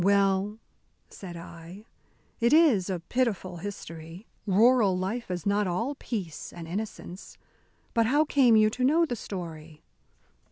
"Well," said I, "it is a pitiful history. Rural life is not all peace and innocence. But how came you to know the story?"